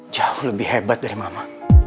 jauh lebih hebat dari mama